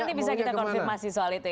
nanti bisa kita konfirmasi soal itu ya